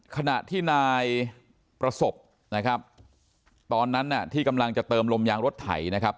ขณะที่นายประสบนะครับตอนนั้นน่ะที่กำลังจะเติมลมยางรถไถนะครับ